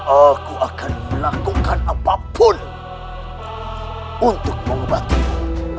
aku akan melakukan apapun untuk mengobatimu